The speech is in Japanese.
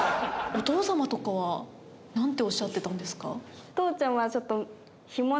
お父様とかはなんておっしゃってたんですか？